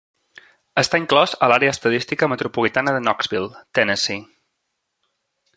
Està inclòs a l'àrea estadística metropolitana de Knoxville, Tennessee.